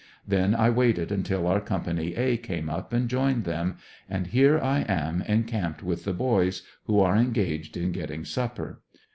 Then I waited until our company, *'A," came up and joined them, and here I am encamped with the boys, who are engaged in getting supper.